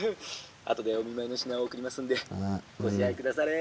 後でお見舞いの品を送りますんでご自愛下され」。